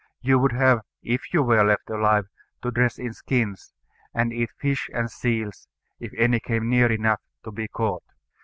You would have, if you were left alive, to dress in skins, and eat fish and seals, if any came near enough to be caught.